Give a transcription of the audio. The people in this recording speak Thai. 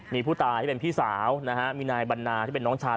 มีผู้ตายที่เป็นพี่สาวนะฮะมีนายบรรณาที่เป็นน้องชาย